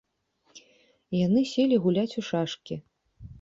Яны селі гуляць у шашкі.